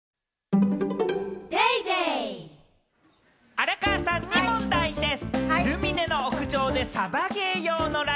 荒川さんに問題です。